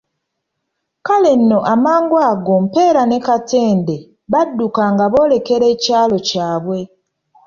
Kale nno amangu ago Mpeera ne Katende badduka nga boolekera ekyalo kyabwe.